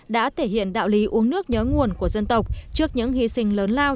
đã thể hiện đạo lý uống nước nhớ nguồn của dân tộc trước những hy sinh lớn lao